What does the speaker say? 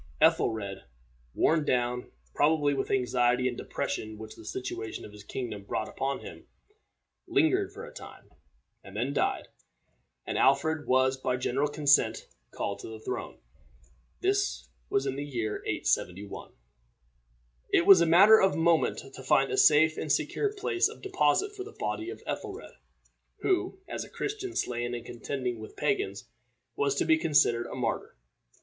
Ethelred, worn down, probably, with the anxiety and depression which the situation of his kingdom brought upon him, lingered for a time, and then died, and Alfred was by general consent called to the throne. This was in the year 871. It was a matter of moment to find a safe and secure place of deposit for the body of Ethelred, who, as a Christian slain in contending with pagans, was to be considered a martyr.